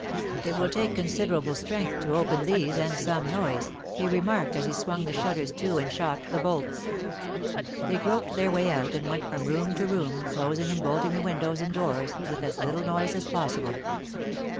'It will take considerable strength to open these, and some noise,' he remarked as he swung the shutters to and shot the bolts. They groped their way out and went from room to room, closing and bolting the windows and doors with as little noise as possible.